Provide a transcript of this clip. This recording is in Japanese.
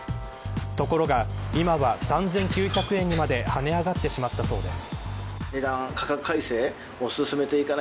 ところが今は、３９００円にまで跳ね上がってしまったそうです。